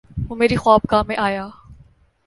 وہ میری خوابگاہ میں آیا